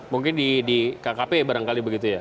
mungkin di kkp barangkali begitu ya